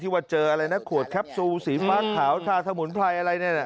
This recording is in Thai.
ว่าเจออะไรนะขวดแคปซูลสีฟ้าขาวทาสมุนไพรอะไรเนี่ยนะ